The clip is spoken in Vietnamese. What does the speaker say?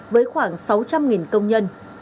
với khoảng sáu trăm linh công nhân